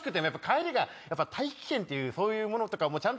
やっぱ大気圏っていうそういうものとかもちゃんと。